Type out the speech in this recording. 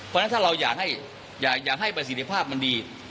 เพราะฉะนั้นถ้าเราอยากให้ประสิทธิภาพมันดี